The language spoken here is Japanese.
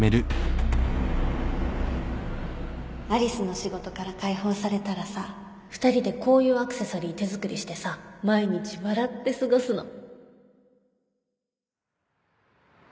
ＡＬＩＣＥ の仕事から解放されたらさ２人でこういうアクセサリー手作りしてさ毎日笑って過ごすの